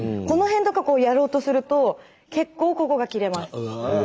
この辺とかやろうとすると結構ここが切れます。